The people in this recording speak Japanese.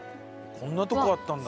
こんなとこあったんだ。